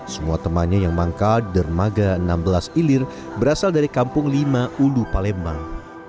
semua temannya yang manggal di dermaga enam belas ilir berasal dari kampung lima ulu palembang